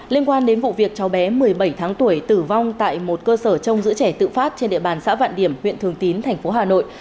liên quan đến vụ việc cháu bé một mươi bảy tháng tuổi tử vong tại một cơ sở trong giữ trẻ tự phát trên địa bàn xã vạn điểm huyện thường tín thành phố hà nội